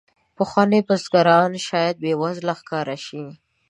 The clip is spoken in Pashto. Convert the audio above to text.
پخواني بزګران شاید بې وزله ښکاره شي.